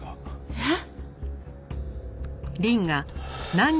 えっ？